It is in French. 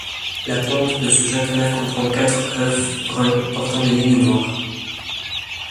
La ponte de ce jacana comprend quatre œufs bruns portant des lignes noires.